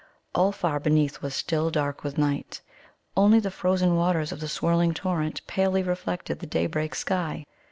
All far beneath was still dark with night; only the frozen waters of the swirling torrent palely reflected the daybreak sky.